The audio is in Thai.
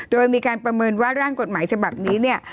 โดยมีการประเมินว่าร่างกฎหมายฉบับนี้เนี่ย